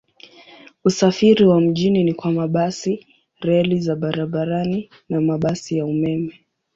Usafiri wa mjini ni kwa mabasi, reli za barabarani na mabasi ya umeme.